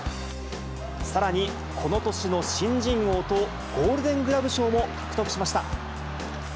さらに、この年の新人王とゴールデングラブ賞も獲得しました。